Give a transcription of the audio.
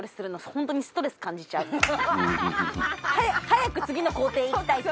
早く次の工程いきたいって